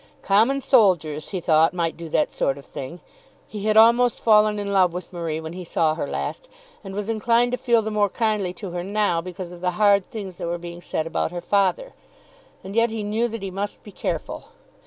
Common soldiers, he thought, might do that sort of thing. He had almost fallen in love with Marie when he saw her last, and was inclined to feel the more kindly to her now because of the hard things that were being said about her father. And yet he knew that he must be careful.